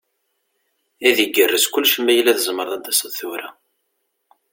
Ad igerrez kullec ma yella tzemreḍ ad d-taseḍ tura.